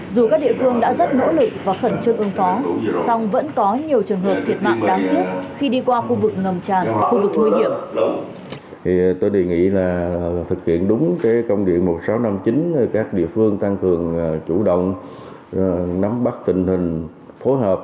dù các địa phương đã rất nỗ lực và khẩn trương ưng phó song vẫn có nhiều trường hợp thiệt mạng đáng tiếc khi đi qua khu vực ngầm tràn khu vực nguy hiểm